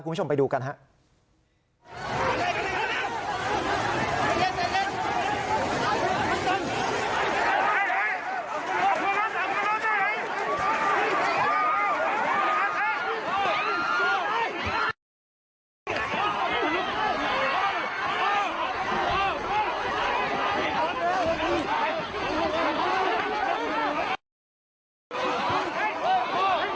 คุณผู้ชมไปดูกันครับ